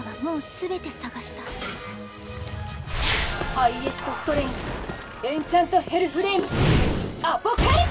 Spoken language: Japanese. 「ハイエスト・ストレングス」「エンチャント・ヘルフレイム」「アポカリプス」！